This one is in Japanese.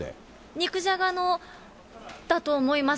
肉じゃがのだと思います。